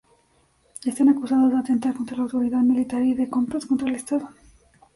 Están acusados de "atentar contra la autoridad militar" y de "complot contra el estado".